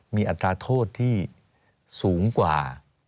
มีอัตราโทษที่สูงกว่า